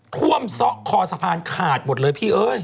ซ่อคอสะพานขาดหมดเลยพี่เอ้ย